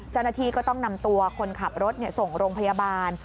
เจ้าหน้าที่ก็ต้องนำตัวคนขับรถส่งโรงพยาบาล